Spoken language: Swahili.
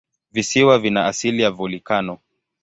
Visiwa vina asili ya volikano.